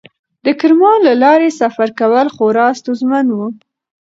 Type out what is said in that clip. د کرمان له لارې سفر کول خورا ستونزمن و.